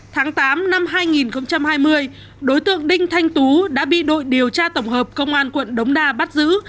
tháng tám năm hai nghìn hai mươi đối tượng đinh thanh tú đã bị đội điều tra tổng hợp công an quận đống đa bắt giữ